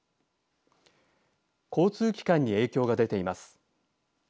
交通機関に影響が出ています。